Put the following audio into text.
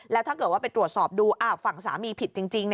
แล้วถ้าเกิดว่าไปตรวจสอบดูฝั่งสามีผิดจริง